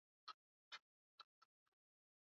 Pia wapo ambao wana asili ya Kush